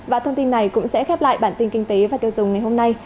và thông tin này cũng sẽ khép lại bản tin kinh tế và tiêu dùng ngày hôm nay